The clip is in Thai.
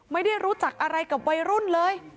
ไม่ได้รู้จักอะไรกับวัยรุ่นเลย